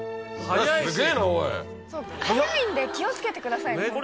早いんで気を付けてください。